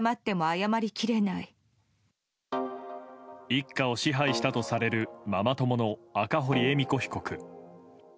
一家を支配したとされるママ友の赤堀恵美子被告。